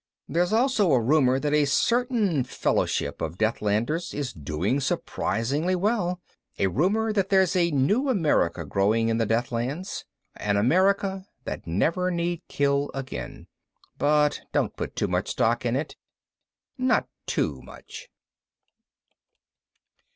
There's also a rumor that a certain fellowship of Deathlanders is doing surprisingly well, a rumor that there's a new America growing in the Deathlands an America that never need kill again. But don't put too much stock in it. Not too much.